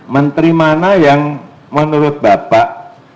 menteri mana yang menurut bapak